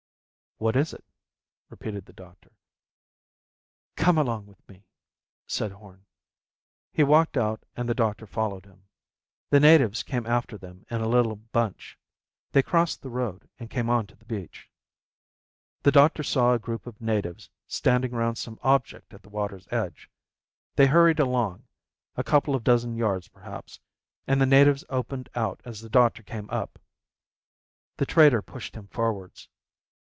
"What is it?" repeated the doctor. "Come along with me," said Horn. He walked out and the doctor followed him. The natives came after them in a little bunch. They crossed the road and came on to the beach. The doctor saw a group of natives standing round some object at the water's edge. They hurried along, a couple of dozen yards perhaps, and the natives opened out as the doctor came up. The trader pushed him forwards.